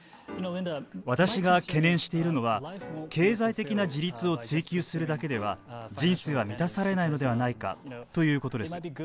私が懸念しているのは経済的な自立を追求するだけでは人生は満たされないのではないかということです。